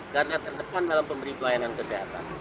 garda terdepan dalam pemberi pelayanan kesehatan